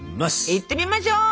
いってみましょう！